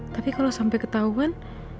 tapi kalau sampai ketahuan